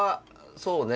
そうね